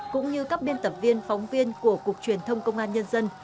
cũng như các biên tập viên phóng viên của cục truyền thông công an nhân dân